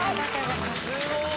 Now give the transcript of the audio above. すごい！